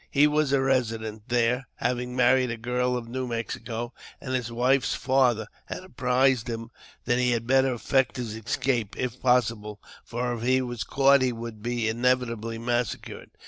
He was a resident there, having married a girl of New Mexico,, and his wife's father had apprised him that he had better effect his escape, if possible, for if he was caught he would be inevit ably massacred.